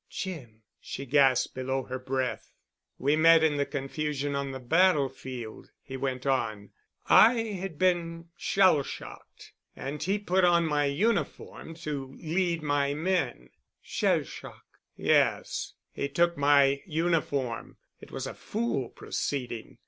"Jim," she gasped below her breath. "We met in the confusion on the battlefield," he went on. "I had been shell shocked and he put on my uniform to lead my men——" "Shell—shock——" "Yes. He took my uniform. It was a fool proceeding.